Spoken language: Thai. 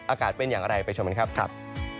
อากาศเป็นอย่างไรไปชมกันครับ